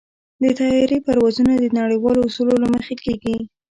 د طیارې پروازونه د نړیوالو اصولو له مخې کېږي.